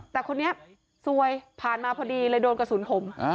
แต่คนนี้ซวยผ่านมาพอดีเลยโดนกระสุนผม